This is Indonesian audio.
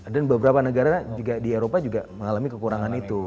dan beberapa negara di eropa juga mengalami kekurangan itu